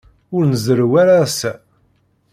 Ur nzerrew ara ass-a.